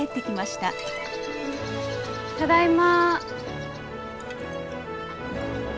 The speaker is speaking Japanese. ただいま。